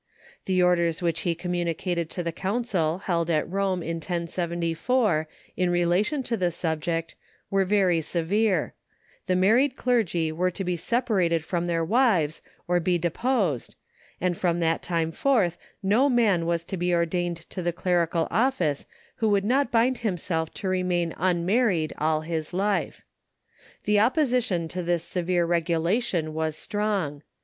The orders which he communicated to the council held at Rome in 1074 in relation to this subject were very severe; the married clergy were to be separated from their wives or be deposed, and from that time forth no man was to be ordained to the clerical office who would not bind himself to remain unmarried all his life. The opposition to this severe regulation was strong.